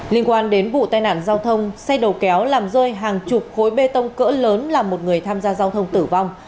liên quan đến vụ tai nạn giao thông xe đầu kéo làm rơi hàng chục khối bê tông cỡ lớn làm một người tham gia giao thông tử vong